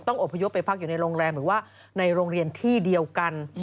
อบพยพไปพักอยู่ในโรงแรมหรือว่าในโรงเรียนที่เดียวกัน